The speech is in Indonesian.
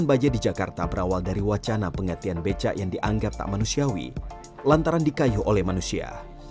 baja di jakarta berawal dari wacana penggantian becak yang dianggap tak manusiawi lantaran dikayu oleh manusia